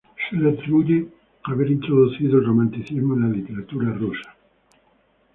Se le atribuye haber introducido el Romanticismo en la literatura rusa.